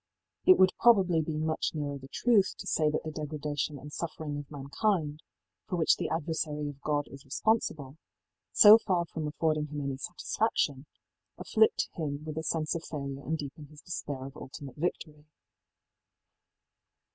It would probably be much nearer the truth to say that the degradation and suffering of mankind, for which the adversary of God is responsible, so far from affording him any satisfaction, afflict him with a sense of failure and deepen his despair of ultimate victory.